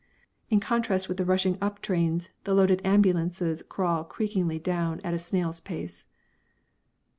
In contrast with the rushing up trains the loaded ambulances crawl creakingly down at a snail's pace.